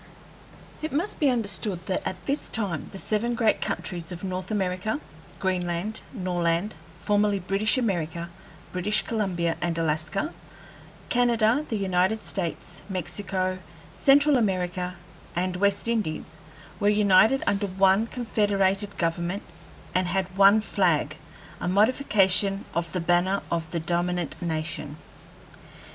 *[* It must be understood that at this time the seven great countries of North America Greenland, Norland (formerly British America, British Columbia, and Alaska), Canada, the United States, Mexico, Central America, and West Indies were united under one confederated government, and had one flag, a modification of the banner of the dominant nation.